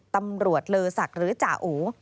ตำรวจเลอศักดิ์หรือจ่าโอ